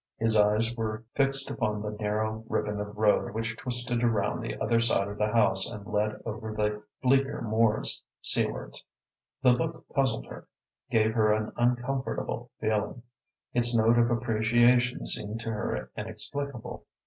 His eyes were fixed upon the narrow ribbon of road which twisted around the other side of the house and led over the bleaker moors, seawards. The look puzzled her, gave her an uncomfortable feeling. Its note of appreciation seemed to her inexplicable.